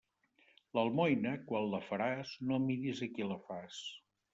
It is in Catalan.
L'almoina, quan la faràs, no miris a qui la fas.